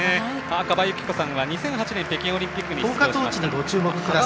赤羽有紀子さんは２００８年北京オリンピックの陸上に出場。